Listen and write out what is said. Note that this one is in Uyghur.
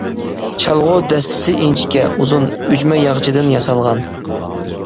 چالغۇ دەستىسى ئىنچىكە، ئۇزۇن، ئۈجمە ياغىچىدىن ياسالغان.